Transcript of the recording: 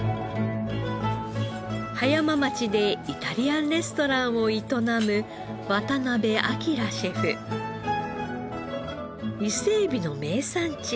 葉山町でイタリアンレストランを営む伊勢エビの名産地